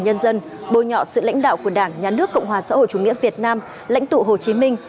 nhân dân bôi nhọ sự lãnh đạo của đảng nhà nước cộng hòa xã hội chủ nghĩa việt nam lãnh tụ hồ chí minh